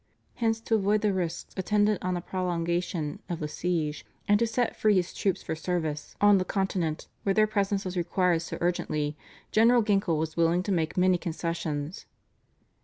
Hence to avoid the risks attendant on the prolongation of the siege and to set free his troops for service on the Continent, where their presence was required so urgently, General Ginkle was willing to make many concessions.